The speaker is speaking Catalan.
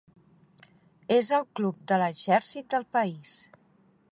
És el club de l'exèrcit del país.